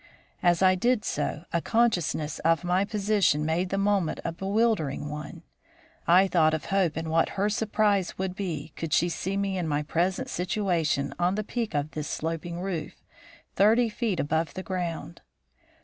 As I did so, a consciousness of my position made the moment a bewildering one. I thought of Hope and what her surprise would be could she see me in my present situation on the peak of this sloping roof, thirty feet above the ground.